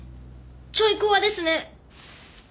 ちょい怖ですね！